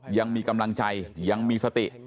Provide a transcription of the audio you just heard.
ยังมีกำลังใจยังมีสติ